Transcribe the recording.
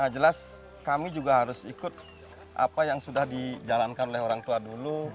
jelas kami juga harus ikut apa yang sudah dijalankan oleh orang tua dulu